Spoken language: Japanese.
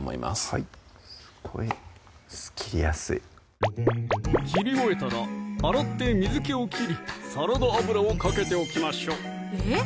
はいこれ切りやすい切り終えたら洗って水気を切りサラダ油をかけておきましょうえっ？